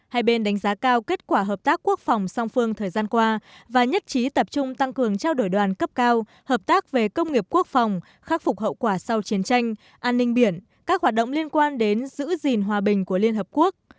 hai bên đánh giá cao kết quả hợp tác quốc phòng song phương thời gian qua và nhất trí tập trung tăng cường trao đổi đoàn cấp cao hợp tác về công nghiệp quốc phòng khắc phục hậu quả sau chiến tranh an ninh biển các hoạt động liên quan đến giữ gìn hòa bình của liên hợp quốc